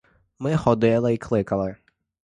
Ми ходили й кликали.